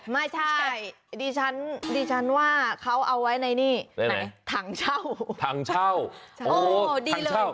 ไม่ใช่ดิฉันดิฉันว่าเขาเอาไว้ในนี่ไหนถังเช่าถังเช่าโอ้ดีเลย